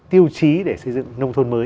tiêu chí để xây dựng nông thôn mới